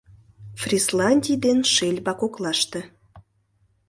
Фрисландий ден Шельба коклаште